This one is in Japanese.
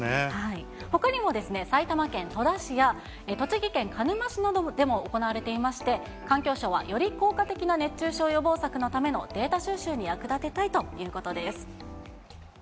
ほかにも、埼玉県戸田市や、栃木県鹿沼市などでも行われていまして、環境省はより効果的な熱中症予防策のためのデータ収集に役立てたいということです。